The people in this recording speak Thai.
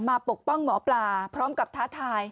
ปกป้องหมอปลาพร้อมกับท้าทาย